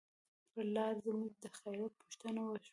پر لار زموږ د خیریت پوښتنه وشوه.